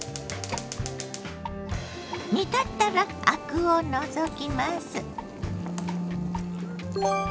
煮立ったらアクを除きます。